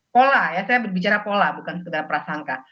pola ya saya berbicara pola bukan sekedar prasangka